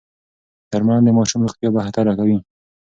درملنه د ماشوم روغتيا بهتره کوي.